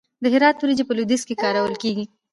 د هرات وریجې په لویدیځ کې کارول کیږي.